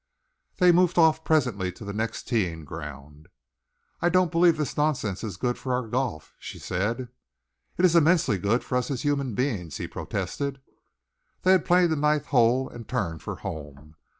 They moved off presently to the next teeing ground. "I don't believe this nonsense is good for our golf," she said. "It is immensely good for us as human beings," he protested. They had played the ninth hole and turned for home.